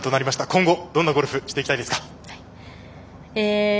今後、どんなゴルフをしていきたいですか。